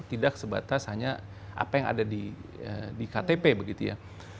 tidak sebatas hanya apa yang ada di ktp begitu ya